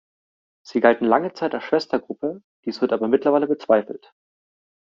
Sie galten lange Zeit als Schwestergruppe, dies wird aber mittlerweile bezweifelt.